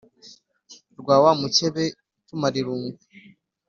rwa wa mukebe utumara irungu